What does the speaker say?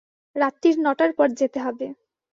রাত্তির নটার পর যেতে হবে।